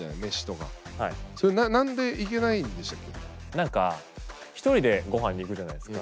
何かひとりでごはんに行くじゃないですか。